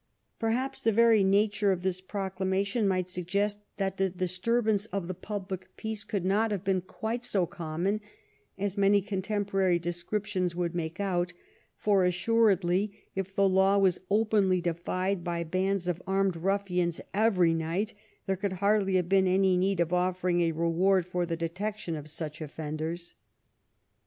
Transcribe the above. Perhaps the very nature of this proclamation might suggest that the disturbance of the public peace could not have been quite so conmion as many contemporary descriptions would make out; for assuredly, if the law was openly defied by bands of armed ruffians every night, there could hardly have been any need of offering a reward for the detection of such offenders.